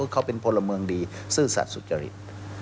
เขาเป็นพลเมืองดีซื่อสัตว์สุจริต